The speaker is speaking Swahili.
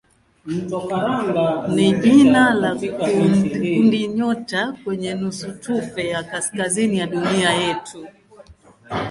ni jina la kundinyota kwenye nusutufe ya kaskazini ya dunia yetu.